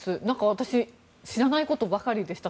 私、知らないことばかりでした。